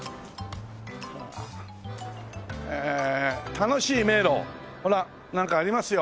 「たのしいめいろ」ほらなんかありますよ。